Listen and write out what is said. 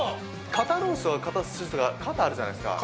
肩ロースは、肩スジとか肩あるじゃないですか。